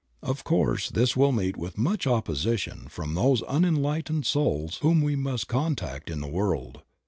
Of course this will meet with much opposition from those unenlightened souls whom we must contact in the world.